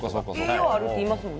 栄養あるって言いますもんね。